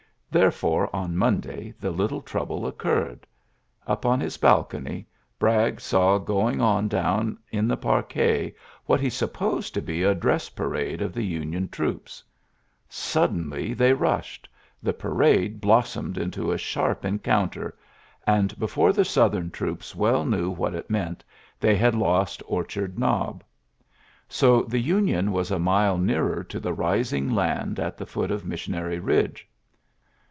Therefore Monday the little trouble occurred, in his balcony, Bragg saw going on c in the parquet what he supposed to dress parade of the Union troops, denly they rushed : the parade blossc into a sharp encounter, and before tJLYSSES S. GEANT 91 Southern troops well knew what it meant they had lost Orchard Knob. So the Union was a mile nearer to the rising land at the foot of Missionary Bidge.